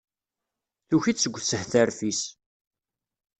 Tuki-d seg ushetref-is.